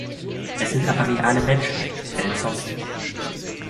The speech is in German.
Es sind aber reale Menschen, keine Zombies.